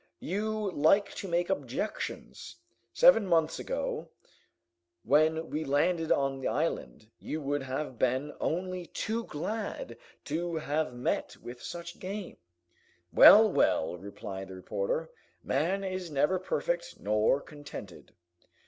"You like to make objections. Seven months ago, when we landed on the island, you would have been only too glad to have met with such game!" "Well, well," replied the reporter, "man is never perfect, nor contented."